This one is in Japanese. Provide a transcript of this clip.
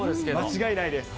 間違いないです。